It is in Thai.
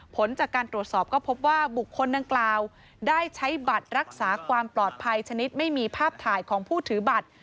ผลจากการตรวจสอบก็พบว่าบุคคลดังกล่าวได้ใช้บัตรรักษาความปลอดภัยชนิดไม่มีภาพถ่ายของผู้ถือบัตร